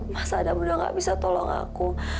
mas adam udah gak bisa tolong aku